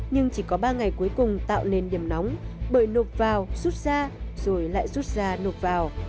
nhưng chỉ có ba ngày cuối cùng tạo nền điểm nóng bởi nộp vào rút ra rồi lại rút ra nộp vào